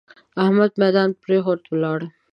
احمد ميدان پرېښود؛ ولاړ.